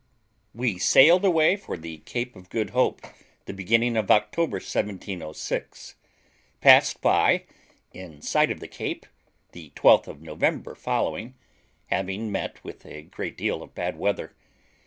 We sailed away for the Cape of Good Hope the beginning of October 1706, and passed by, in sight of the Cape, the 12th of November following, having met with a great deal of bad weather.